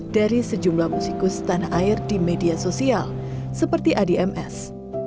dari sejumlah musikus tanah air di media sosial seperti adms